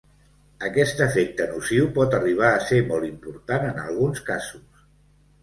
Aquest efecte nociu pot arribar a ser molt important en alguns casos.